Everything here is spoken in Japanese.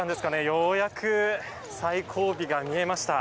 ようやく最後尾が見えました。